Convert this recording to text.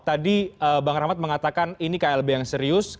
tadi bang rahmat mengatakan ini klb yang serius